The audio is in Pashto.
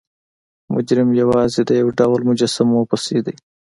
مجرم یوازې د یو ډول مجسمو پسې دی.